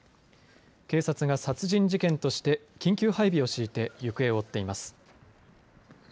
警察が殺人事件として緊急配備を敷いて行方を追っています。